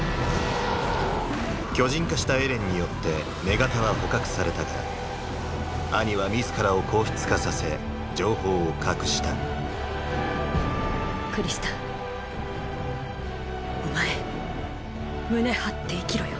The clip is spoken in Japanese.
巨人化したエレンによって女型は捕獲されたがアニは自らを硬質化させ情報を隠したクリスタお前胸張って生きろよ。